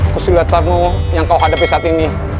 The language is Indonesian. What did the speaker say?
kesulitanmu yang kau hadapi saat ini